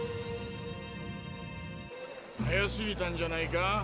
早すぎたんじゃないか？